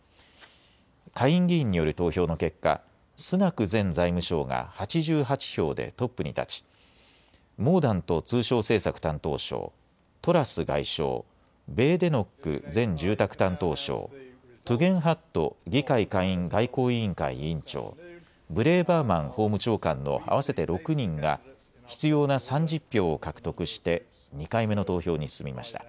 下院議員による投票の結果、スナク前財務相が８８票でトップに立ち、モーダント通商政策担当相、トラス外相、ベーデノック前住宅担当相、トゥゲンハット議会下院外交委員会委員長、ブレーバーマン法務長官の合わせて６人が必要な３０票を獲得して２回目の投票に進みました。